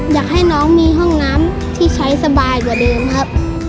อยากให้น้องมีห้องน้ำที่ใช้สบายกว่าเดิมครับ